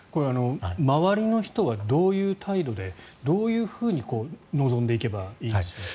周りの人はどういう態度でどういうふうに臨んでいけばいいんでしょうか。